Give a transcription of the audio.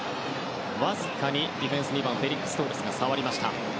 わずかにディフェンス２番フェリックス・トーレスが触りました。